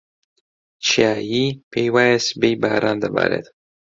چیایی پێی وایە سبەی باران دەبارێت.